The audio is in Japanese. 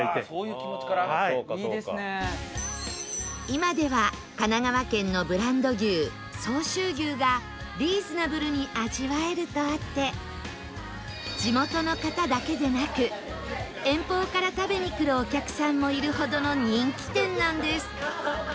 今では神奈川県のブランド牛相州牛がリーズナブルに味わえるとあって地元の方だけでなく遠方から食べに来るお客さんもいるほどの人気店なんです